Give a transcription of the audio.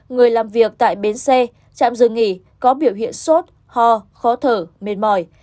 người làm việc tại bến xe trạm dừng nghỉ có biểu hiện sốt ho khó thở mệt mỏi